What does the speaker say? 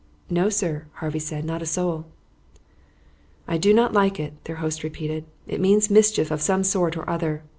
"No, sir," Harvey said, "not a soul." "I do not like it," their host repeated. "It means mischief of some sort or other.